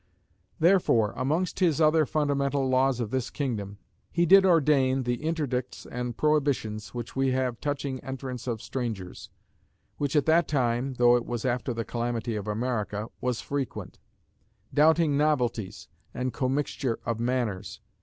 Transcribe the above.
Therefore amongst his other fundamental laws of this kingdom, he did ordain the interdicts and prohibitions which we have touching entrance of strangers; which at that time (though it was after the calamity of America) was frequent; doubting novelties, and commixture of manners.